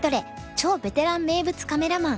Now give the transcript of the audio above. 超ベテラン名物カメラマン」。